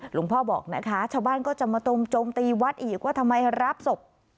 บอกนะคะชาวบ้านก็จะมาตรงโจมตีวัดอีกว่าทำไมรับศพ